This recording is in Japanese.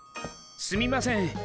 すみません。